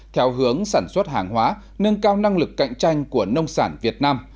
theo hướng sản xuất hàng hóa nâng cao năng lực cạnh tranh của nông sản việt nam